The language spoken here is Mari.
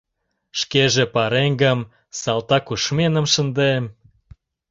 Шкеже пареҥгым, салтакушменым шындем.